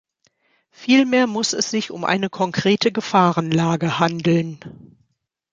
Vielmehr muss es sich um eine konkrete Gefahrenlage handeln.